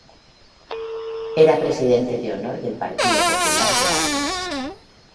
Era presidente de Honor del Partido Popular de Ávila.